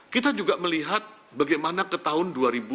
kita juga melihat bagaimana ke tahun dua ribu dua puluh